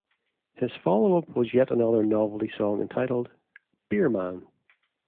His followup was yet another novelty song entitled "Beer Man".